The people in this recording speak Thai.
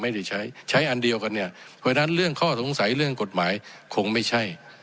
ไม่ได้ใช้ใช้อันเดียวกันเนี่ยเพราะฉะนั้นเรื่องข้อสงสัยเรื่องกฎหมายคงไม่ใช่